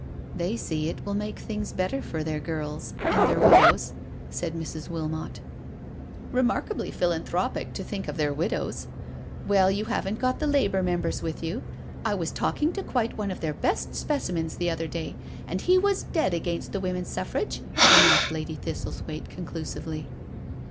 " They see it will make things better for their girls — and their widows," said Mrs. Wilmot. " Remarkably philanthropic to think of their .widows I Well, you haven't got the Labour Members with you. I was talking to quite one of their best specimens the other day, and he was dead against Women's Suffrage," remarked Lady Thistlethwaite conclusively.